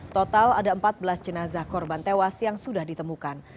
total ada empat belas jenazah korban tewas yang sudah ditemukan